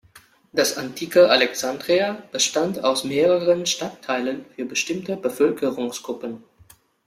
Das antike Alexandria bestand aus mehreren Stadtteilen für bestimmte Bevölkerungsgruppen.